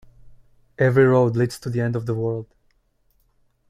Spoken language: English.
Every road leads to the end of the world.